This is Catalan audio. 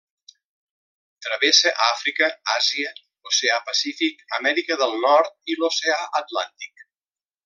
Travessa Àfrica, Àsia, l’Oceà Pacífic, Amèrica del Nord l'oceà Atlàntic.